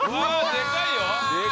でかいよ。